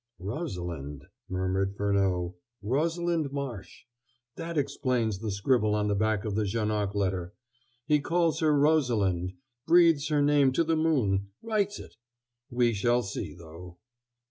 "'Rosalind,'" murmured Furneaux, "Rosalind Marsh. That explains the scribble on the back of the Janoc letter. He calls her Rosalind breathes her name to the moon writes it! We shall see, though."